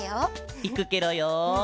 いくケロよ！